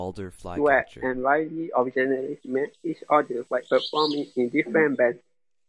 Sweat and Riley originally met each other while performing in different bands.